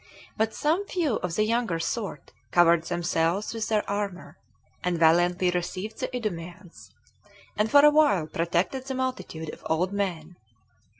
But some few of the younger sort covered themselves with their armor, and valiantly received the Idumeans, and for a while protected the multitude of old men.